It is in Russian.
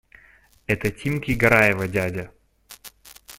Это Тимки Гараева дядя.